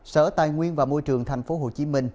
sở tài nguyên và môi trường tp hcm